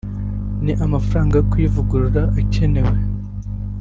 n’amafaranga yo kuyivugurura akenewe